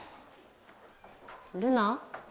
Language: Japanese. ルナ。